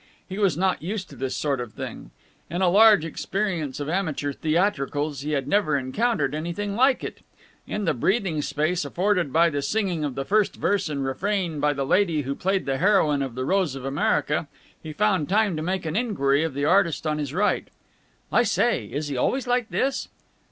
He was not used to this sort of thing. In a large experience of amateur theatricals he had never encountered anything like it. In the breathing space afforded by the singing of the first verse and refrain by the lady who played the heroine of "The Rose of America," he found time to make an enquiry of the artist on his right. "I say! Is he always like this?"